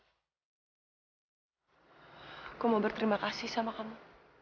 saya ingin berterima kasih kepada kamu